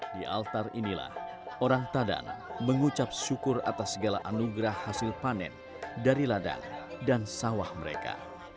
di altar inilah orang tadan mengucap syukur atas segala anugerah hasil panen dari ladang dan sawah mereka